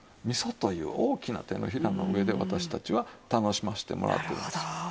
味噌という大きな手のひらの上で私たちは楽しませてもらってるんですよ。